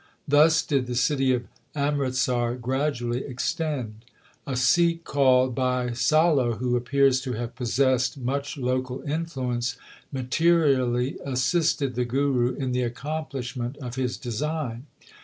Thus did the city of Amritsar gradually extend. A Sikh called Bhai Salo, who appears to have possessed much local influence, materially assisted the Guru in the accomplishment of his design.